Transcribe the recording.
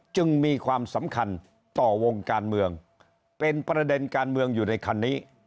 จึงมีความสำคัญต่อวงการเมืองเป็นประเด็นการเมืองอยู่ในคันนี้